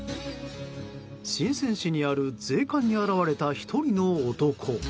シンセン市にある税関に現れた１人の男。